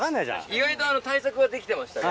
意外と対策はできてましたね。